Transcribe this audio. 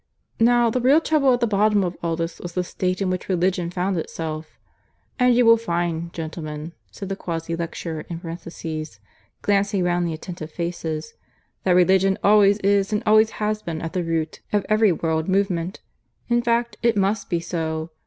"Now the real trouble at the bottom of all this was the state in which Religion found itself. And you will find, gentlemen," said the quasi lecturer in parenthesis, glancing round the attentive faces, "that Religion always is and always has been at the root of every world movement. In fact it must be so.